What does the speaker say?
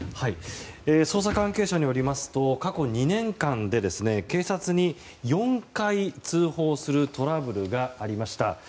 捜査関係者によりますと過去２年間で警察に４回通報するトラブルがありました。